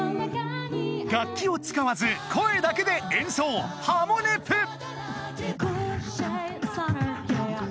楽器を使わず声だけで演奏「ハモネプ」！